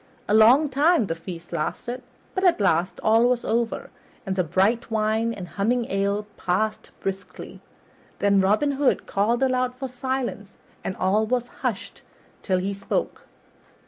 A long time the feast lasted, but at last all was over, and the bright wine and humming ale passed briskly. Then Robin Hood called aloud for silence, and all was hushed till he spoke.